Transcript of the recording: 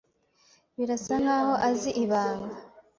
Birasa nkaho azi ibanga.